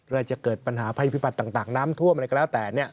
เราจะเกิดปัญหาภัยพิบัติต่างน้ำท่วมอะไรก็แล้วแต่